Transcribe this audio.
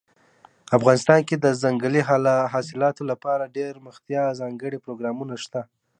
افغانستان کې د ځنګلي حاصلاتو لپاره دپرمختیا ځانګړي پروګرامونه شته.